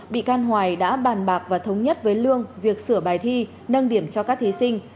bị can hoài đã bàn bạc và thống nhất với lương việc sửa bài thi nâng điểm cho các thí sinh